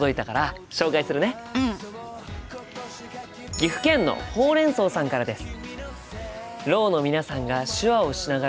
岐阜県のほうれん草さんからです。